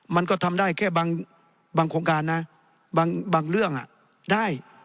มันก็ทำได้แค่บางโครงการนะบางเรื่องได้